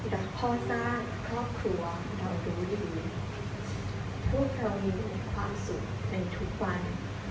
แต่พ่อสร้างครอบครัวเรารู้ดีพวกเรามีความสุขในทุกวัน